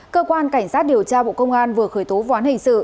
cơ quan cảnh sát điều tra bộ công an vừa khởi tố võn hành sự